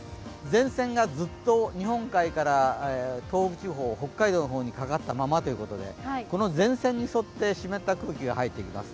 前線がずっと日本海から東北地方、北海道の方にかかったままということで前線にそって湿った空気が入ってきます。